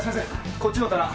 こっちの棚まだ。